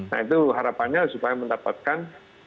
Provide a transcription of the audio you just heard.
nah itu harapannya supaya mendapatkan